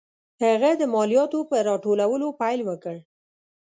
هغه د مالیاتو په راټولولو پیل وکړ.